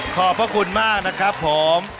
ขอบพระคุณมากนะครับผม